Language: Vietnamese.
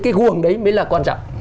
cái guồng đấy mới là quan trọng